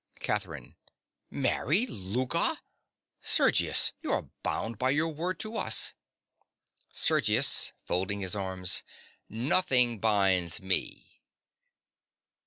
_) CATHERINE. Marry Louka! Sergius: you are bound by your word to us! SERGIUS. (folding his arms). Nothing binds me.